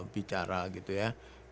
bicara gitu ya